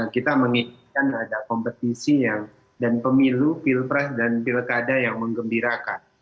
kita menginginkan ada kompetisi dan pemilu pilpres dan pilkada yang mengembirakan